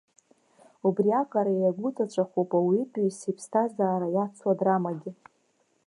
Убриаҟара иагәыҵаҵәахуп ауаҩытәыҩса иԥсҭазаара иацу адрамагьы.